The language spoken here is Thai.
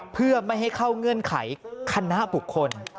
เพื่อไม่ให้เข้าเงื่อนไขคณะบุคคล